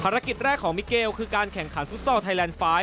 แรกของมิเกลคือการแข่งขันฟุตซอลไทยแลนด์ไฟล์